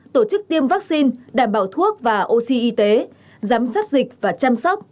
tổ chức tiêm vaccine đảm bảo thuốc và oxy y tế giám sát dịch và chăm sóc